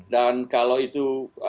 dan kalau itu